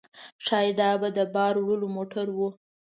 ښايي دا به د بار وړلو موټر و.